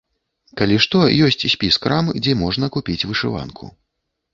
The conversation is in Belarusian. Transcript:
Калі што, ёсць спіс крам, дзе можна купіць вышыванку.